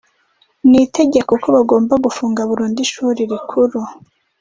n itegeko ko bagomba gufunga burundu ishuri rikuru